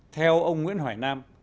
theo ông nguyễn hoài nam